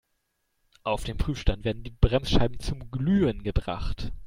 Auf dem Prüfstand werden die Bremsscheiben zum Glühen gebracht.